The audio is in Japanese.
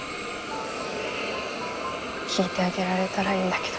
聞いてあげられたらいいんだけど。